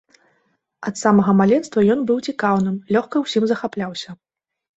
Ад самага маленства ён быў цікаўным, лёгка ўсім захапляўся.